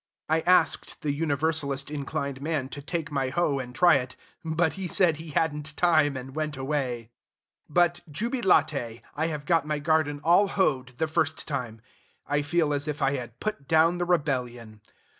I asked the Universalist inclined man to take my hoe and try it; but he said he had n't time, and went away. But, jubilate, I have got my garden all hoed the first time! I feel as if I had put down the rebellion.